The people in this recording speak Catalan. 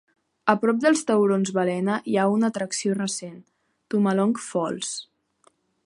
A prop dels taurons balena hi ha una atracció recent: Tumalog Falls.